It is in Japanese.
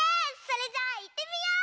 それじゃあいってみよう！